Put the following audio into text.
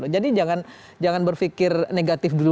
jadi jangan berpikir negatif dulu lah